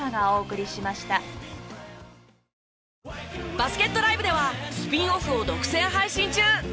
バスケットＬＩＶＥではスピンオフを独占配信中！